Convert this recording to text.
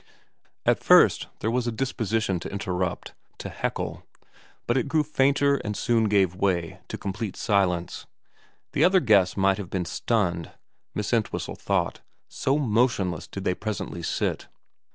At first there was a disposition to interrupt, to heckle, but it grew fainter and soon gave way to complete silence. The other guests might have been stunned, Miss Entwhistle thought, so motionless did they pre sently sit.